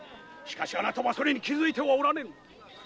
しかしあなたはそれに気づいてはおられぬ！